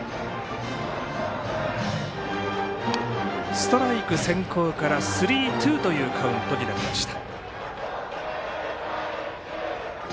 ストライク先行からスリーツーというカウントになりました。